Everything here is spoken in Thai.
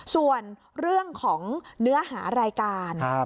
ส่วนเรื่องของเนื้อหารายการ